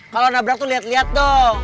kalau nabrak tuh liat liat dong